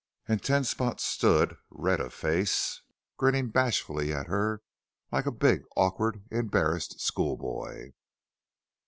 And Ten Spot stood, red of face, grinning bashfully at her like a big, awkward, embarrassed schoolboy.